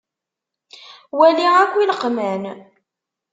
Wali akk ileqman.